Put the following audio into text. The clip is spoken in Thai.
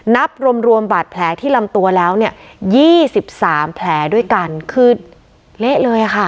นับรวมรวมบาดแผลที่ลำตัวแล้วเนี่ยยี่สิบสามแผลด้วยกันคือเละเลยอ่ะค่ะ